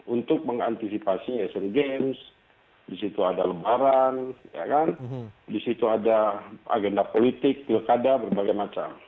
untuk mengantisipasi esen games disitu ada lebaran disitu ada agenda politik pilkada berbagai macam